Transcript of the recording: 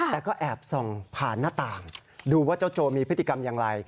แต่ก็แอบส่องผ่านหน้าต่างดูว่าเจ้าโจมีพฤติกรรมอย่างไร